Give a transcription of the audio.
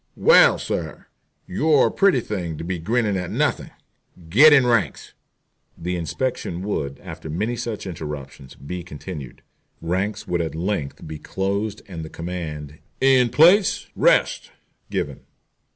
Well, sir, you're a pretty thing to be grinning at nothing. Get in ranks." The inspection would, after many such interruptions, be continued. Ranks would at length be closed and the command, "In place, rest!" given.